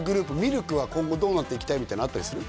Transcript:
ＬＫは今後どうなっていきたいみたいなのあったりする？